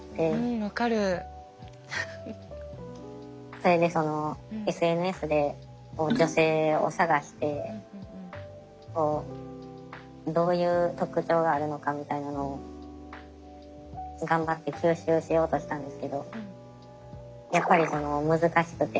それでそのＳＮＳで女性を探してこうどういう特徴があるのかみたいなのを頑張って吸収しようとしたんですけどやっぱりその難しくて。